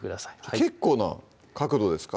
結構な角度ですか？